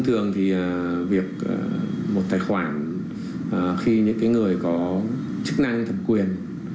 thường thì việc một tài khoản khi những người có chức năng thẩm quyền